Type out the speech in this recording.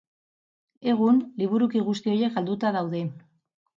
Egun liburuki guzti horiek galduta daude.